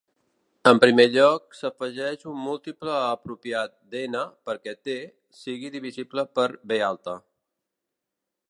En primer lloc, s'afegeix un múltiple apropiat d'"N" perquè "T" sigui divisible per "B".